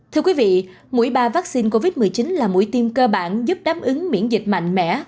thưa quý vị mũi ba vaccine covid một mươi chín là mũi tiêm cơ bản giúp đáp ứng miễn dịch mạnh mẽ